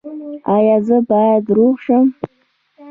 ایا زه باید روغ شم؟